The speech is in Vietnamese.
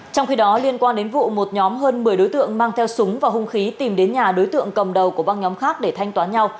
trong khi đó liên quan đến vụ một nhóm hơn một mươi đối tượng mang theo súng và hung khí tìm đến nhà đối tượng cầm đầu của băng nhóm khác để thanh toán nhau